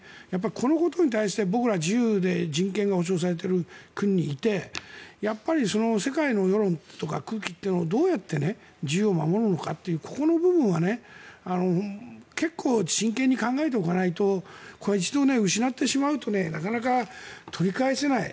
このことに対して僕ら、自由で人権が保障されている国にいてやはり世界の世論とか空気というのをどうやって自由を守るのかというここの部分は結構、真剣に考えておかないと一度失ってしまうとなかなか取り返せない。